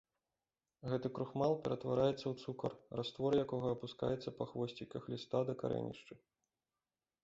Гэты крухмал ператвараецца ў цукар, раствор якога апускаецца па хвосціках ліста да карэнішчы.